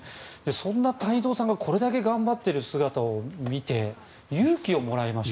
そんな太蔵さんがこれだけ頑張ってる姿を見て勇気をもらいました。